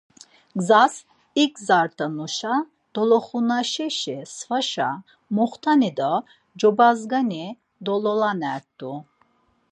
Gzas igzart̆anuşa doloxunaşeşi svaşa moxt̆ani do cobazgani dololanert̆u.